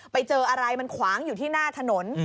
ไปเจออะไรมันขวางอยู่ที่หน้าถนน